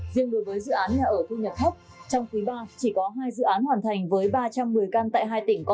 riêng đối với dự án nhà ở thu nhập thấp trong quý ba chỉ có hai dự án hoàn thành với ba trăm một mươi căn tại hai tỉnh có